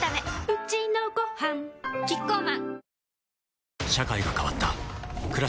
うちのごはんキッコーマン